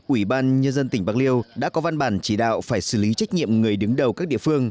ủy ban nhân dân tỉnh bạc liêu đã có văn bản chỉ đạo phải xử lý trách nhiệm người đứng đầu các địa phương